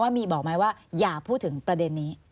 มีบอกไหมว่าอย่าพูดถึงประเด็นนี้